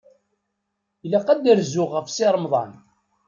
Ilaq ad rzuɣ ɣef Si Remḍan.